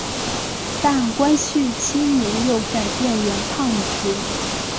但光绪七年又改变原判决。